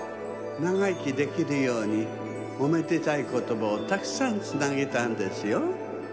ながいきできるようにおめでたいことばをたくさんつなげたんですよ。